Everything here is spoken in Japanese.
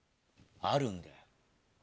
あるんだよ。